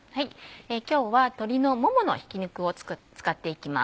今日は鶏のもものひき肉を使っていきます。